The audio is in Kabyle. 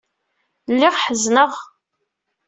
Lliɣ ḥezneɣ.